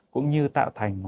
cũng như tạo thành một